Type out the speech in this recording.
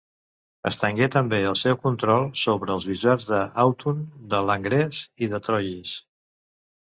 Estengué també el seu control sobre els bisbats d'Autun, de Langres i de Troyes.